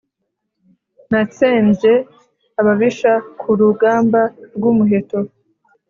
natsembye ababisha ku rugamba rw'umuheto.